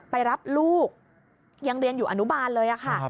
ไปรับลูกยังเรียนอยู่อนุบาลเลยค่ะ